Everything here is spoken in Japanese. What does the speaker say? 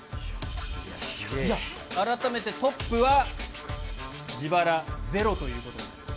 改めてトップは、自腹ゼロということになります。